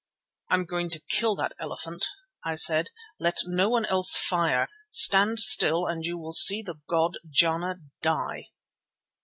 "I am going to kill that elephant," I said. "Let no one else fire. Stand still and you shall see the god Jana die."